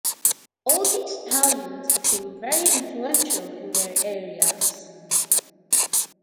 All these stallions became very influential in their areas.